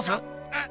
うん？